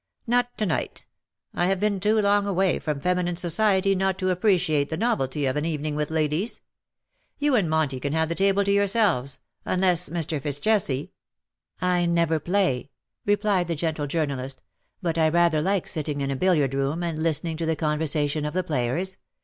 " Not to night. I have been too long away from feminine society not to appreciate the novelty of an evening with ladies. You and Monty can have the table to yourselves, unless Mr. FitzJesse " 121 " I never play/^ replied the gentle journalist ; ^^but I rather like sitting in a billiard room and listening to the conversation of the players.